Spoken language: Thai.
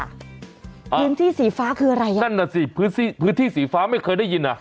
พื้นที่สีฟ้าคืออะไรอ่ะนั่นน่ะสิพื้นที่พื้นที่สีฟ้าไม่เคยได้ยินอ่ะ